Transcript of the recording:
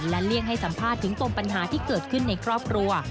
และเลี่ยงให้สัมภาษณ์ถึงปมปัญหาที่เกิดขึ้นในครอบครัว